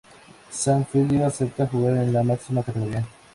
Sant Feliu acepta jugar en la máxima categoría.